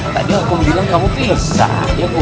tadi aku bilang kamu bisa ya bu